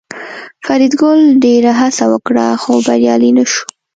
فریدګل ډېره هڅه وکړه خو بریالی نشو